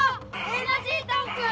エナジータンク！